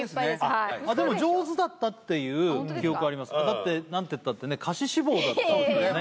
はいでも上手だったっていうホントですか記憶ありますだって何てったって歌手志望だったんですよね